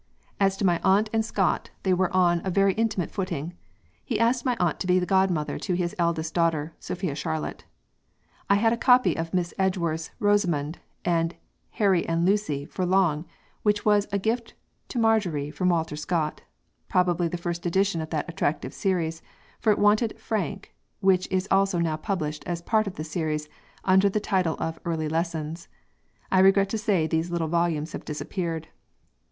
"As to my aunt and Scott, they were on a very intimate footing. He asked my aunt to be godmother to his eldest daughter Sophia Charlotte. I had a copy of Miss Edgeworth's 'Rosamond' and 'Harry and Lucy' for long, which was 'a gift to Marjorie from Walter Scott,' probably the first edition of that attractive series, for it wanted 'Frank,' which is always now published as part of the series under the title of 'Early Lessons.' I regret to say these little volumes have disappeared."